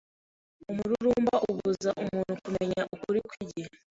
Umururumba ubuza umuntu kumenya ukuri kw’iki gihe